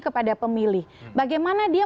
kepada pemilih bagaimana dia